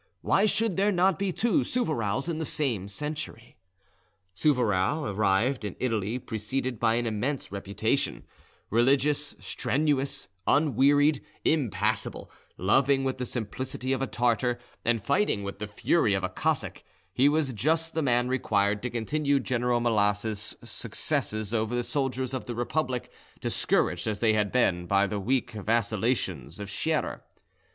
Why should there not be two Souvarows in the same century? Souvarow arrived in Italy preceded by an immense reputation; religious, strenuous, unwearied, impassible, loving with the simplicity of a Tartar and fighting with the fury of a Cossack, he was just the man required to continue General Melas's successes over the soldiers of the Republic, discouraged as they had been by the weak vacillations of Scherer.